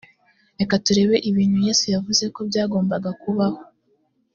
reka turebe ibintu yesu yavuze ko byagombaga kubaho